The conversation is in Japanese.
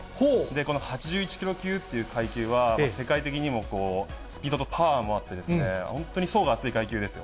この８１キロ級っていう階級は、世界的にもスピードとパワーもあってですね、本当に層が厚い階級ですよ。